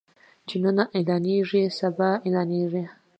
چې نن اعلانيږي سبا اعلانيږي.